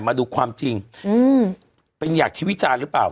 มาดูความจริงเป็นอย่างที่วิจารณ์หรือเปล่า